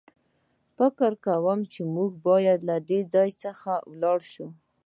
زه فکر کوم چې موږ بايد له دې ځای څخه ولاړ شو.